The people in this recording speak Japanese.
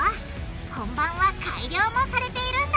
本番は改良もされているんだ！